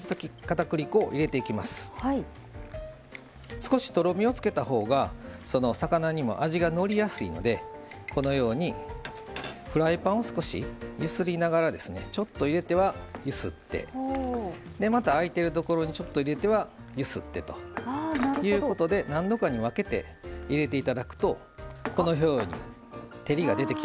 少しとろみをつけたほうが魚にも味がのりやすいのでこのようにフライパンを少し揺すりながらちょっと入れては揺すってまたあいてるところにちょっと入れては揺すってということで何度かに分けて入れていただくとこのように照りが出てきますので。